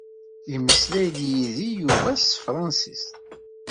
Yemmeslay-d yid-i Yuba s tefransist.